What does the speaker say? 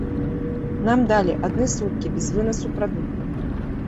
Нам далі адны суткі без вынасу прадуктаў.